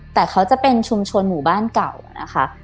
แต่เขาจะเป็นชุมชนหมู่บ้านเก่านะคะ